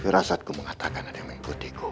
gerasatku mengatakan ada yang mengikutiku